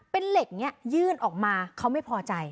เป็นเหล็กนี้ยื่นออกมาเขาไม่พอใจ